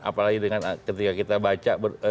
apalagi dengan ketika kita baca